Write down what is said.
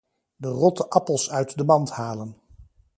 De rotte appels uit de mand halen.